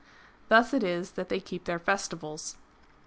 Thus it is that they keep their festivals.